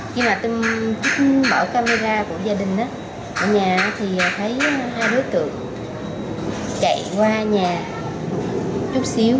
khi mà tin mở camera của gia đình ở nhà thì thấy hai đối tượng chạy qua nhà chút xíu